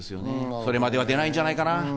それまでは出ないんじゃないかな。